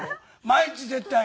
毎日絶対。